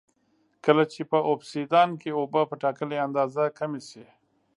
کله چې په اوبسیدیان کې اوبه په ټاکلې اندازه کمې شي